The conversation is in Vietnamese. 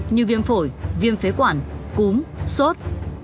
như viêm phổi viêm phế quản cúm sốt